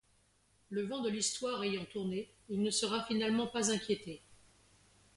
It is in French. Le vent de l'Histoire ayant tourné, il ne sera finalement pas inquiété.